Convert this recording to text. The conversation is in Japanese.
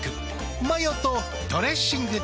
マヨとドレッシングで。